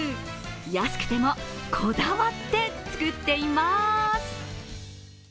安くてもこだわって作っています。